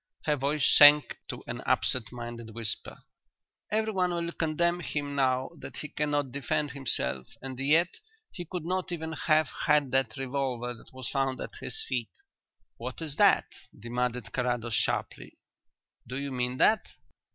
Her voice sank to an absent minded whisper. "Everyone will condemn him now that he cannot defend himself, and yet he could not even have had the revolver that was found at his feet." "What is that?" demanded Carrados sharply. "Do you mean that?"